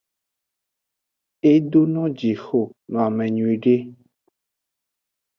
Edono jixo noame nyuiede.